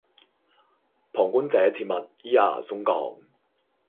旁觀者切勿依牙鬆槓